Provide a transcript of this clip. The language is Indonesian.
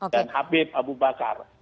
dan habib abu bakar